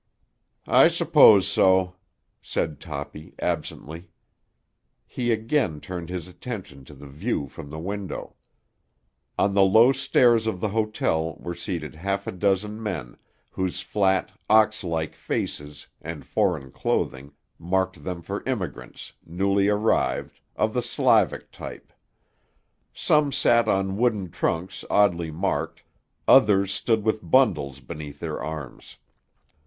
"I suppose so," said Toppy absently. He again turned his attention to the view from the window. On the low stairs of the hotel were seated half a dozen men whose flat, ox like faces and foreign clothing marked them for immigrants, newly arrived, of the Slavic type. Some sat on wooden trunks oddly marked, others stood with bundles beneath their arms.